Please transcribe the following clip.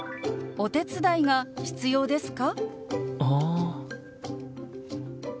お手伝いが必要ですか？